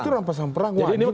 itu rampasan perang